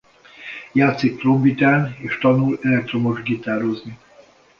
Játszik trombitán és tanul elektromos gitározni.